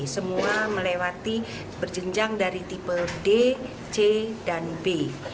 semua melewati berjenjang dari tipe d c dan b